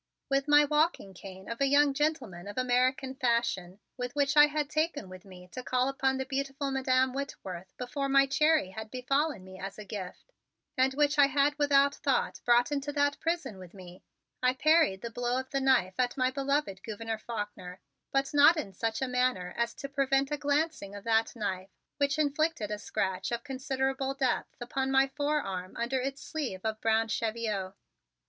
With my walking cane of a young gentleman of American fashion, which I had taken with me to call upon the beautiful Madam Whitworth before my Cherry had befallen me as a gift, and which I had without thought brought into that prison with me, I parried the blow of the knife at my beloved Gouverneur Faulkner, but not in such a manner as to prevent a glancing of that knife, which inflicted a scratch of considerable depth upon my forearm under its sleeve of brown cheviot.